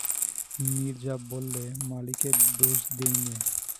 নীরজা বললে, মালীকে দোষ দিই নে।